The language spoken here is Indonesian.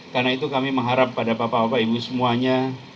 karena itu kami mengharap pada bapak bapak ibu semuanya